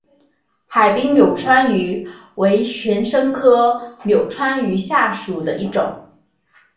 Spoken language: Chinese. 海滨柳穿鱼为玄参科柳穿鱼属下的一个种。